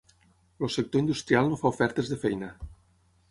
El sector industrial no fa ofertes de feina.